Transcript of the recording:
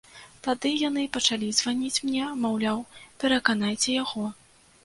Тады яны пачалі званіць мне, маўляў, пераканайце яго.